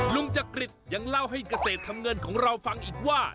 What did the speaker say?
จักริตยังเล่าให้เกษตรทำเงินของเราฟังอีกว่า